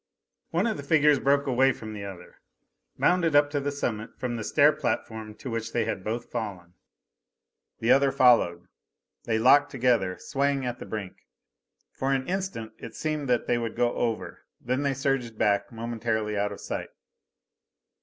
One of the figures broke away from the other, bounded up to the summit from the stair platform to which they had both fallen. The other followed. They locked together, swaying at the brink. For an instant it seemed that they would go over; then they surged back, momentarily out of sight.